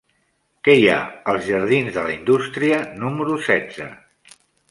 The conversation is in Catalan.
Què hi ha als jardins de la Indústria número setze?